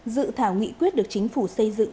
dự thảo nghị quyết được chính phủ xây dựng